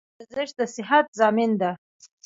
ورزش دصیحت زامین ده